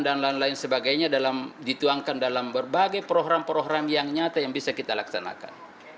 dan lain lain sebagainya dalam dituangkan dalam berbagai program program yang nyata yang bisa kita laksanakan